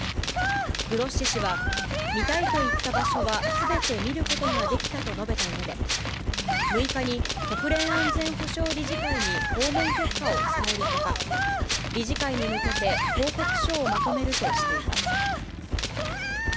グロッシ氏は、見たいと言った場所はすべて見ることができたと述べたうえで、６日に国連安全保障理事会に訪問結果を伝えるほか、理事会に向けて、報告書をまとめるとしています。